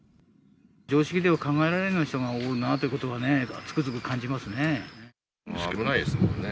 常識では考えられない人が多いなということは、つくづく感じますね。